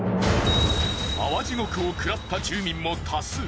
泡地獄を食らった住民も多数。